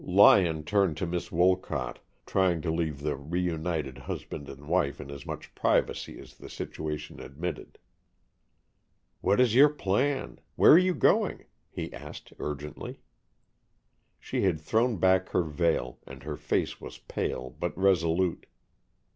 Lyon turned to Miss Wolcott, trying to leave the reunited husband and wife in as much privacy as the situation admitted. "What was your plan? Where were you going?" he asked, urgently. She had thrown back her veil, and her face was pale, but resolute.